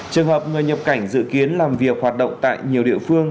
trường hợp người nhập cảnh dự kiến làm việc hoạt động tại nhiều địa phương